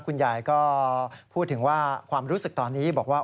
คุณยายก็พูดถึงว่าความรู้สึกตอนนี้บอกว่า